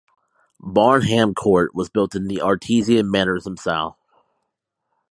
Barnham Court was built in the Artisan Mannerism style.